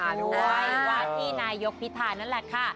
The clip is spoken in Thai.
วาที่นายกพิทานั่นแหละค่ะ